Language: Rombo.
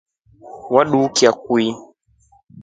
Wadukia kwii?